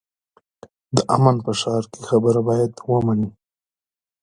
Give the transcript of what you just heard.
د امن په ښار کې خبره باید ومنې.